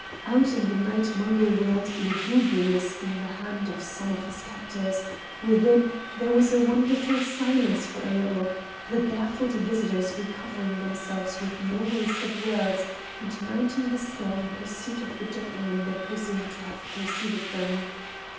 Out in the night Mungo wailed lugubrious in the hands of some of his captors; within there was a wonderful silence for a little, the baffled visitors recovering themselves with no waste of words, and mounting the stair in pursuit of the gentleman they presumed to have preceded them.